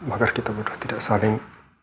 agar kita berdua tidak saling